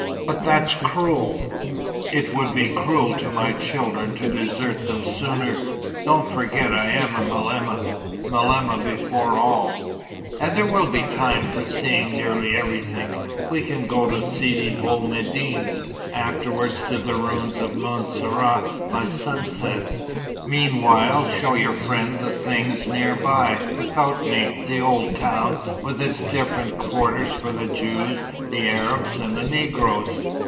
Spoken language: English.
"But that's cruel!" "It would be cruel to my children to desert them sooner. Don't forget I am malema malema before all. And there will be time for seeing nearly everything. We can go to Sidi Bou Medine, afterwards to the ruins of Mansourah by sunset. Meanwhile, show your friend the things near by, without me; the old town, with its different quarters for the Jews, the Arabs, and the Negroes.